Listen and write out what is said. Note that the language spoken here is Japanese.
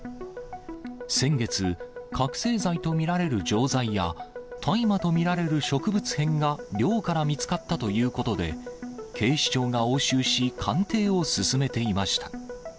先月、覚醒剤と見られる錠剤や、大麻と見られる植物片が、寮から見つかったということで、警視庁が押収し、鑑定を進めていました。